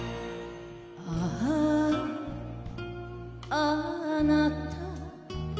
あゝあなた